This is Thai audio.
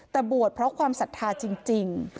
แต่บวชเพราะความศรัทธาจริง